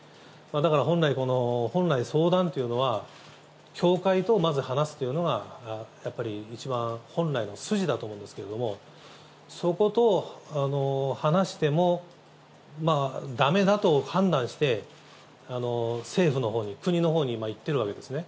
だから本来、この、本来、相談というのは、教会とまず話すというのが、やっぱり一番、本来の筋だと思うんですけれども、そこと話してもだめだと判断して、政府のほうに、国のほうに今いってるわけですね。